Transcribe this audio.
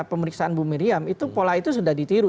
pemeriksaan bu miriam itu pola itu sudah ditiru